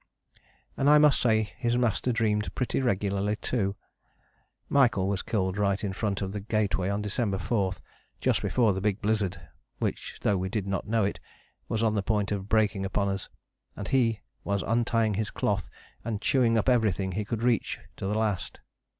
And I must say his master dreamed pretty regularly too. Michael was killed right in front of the Gateway on December 4, just before the big blizzard, which, though we did not know it, was on the point of breaking upon us, and he was untying his cloth and chewing up everything he could reach to the last.